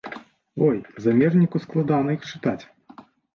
Ой, замежніку складана іх чытаць!